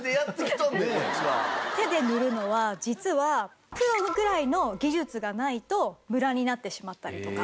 手で塗るのは実はプロぐらいの技術がないとムラになってしまったりとか。